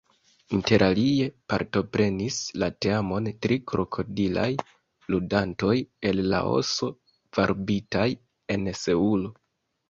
Interalie partoprenis la teamon tri krokodilaj ludantoj el Laoso, varbitaj en Seulo.